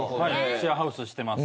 シェアハウスしてます。